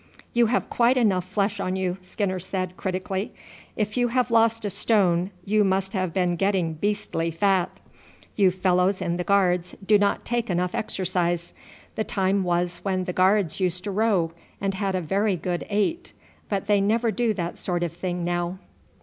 "You have quite enough flesh on you," Skinner said critically. "If you have lost a stone you must have been getting beastly fat. You fellows in the Guards do not take enough exercise. The time was when the Guards used to row and had a very good eight, but they never do that sort of thing now.